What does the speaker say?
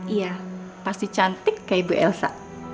iya pasti cantik kayak ibu elsa